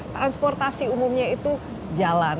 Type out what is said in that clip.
transportasi umumnya itu jalan